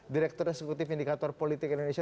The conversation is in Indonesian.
direktur eksekutif indikator politik indonesia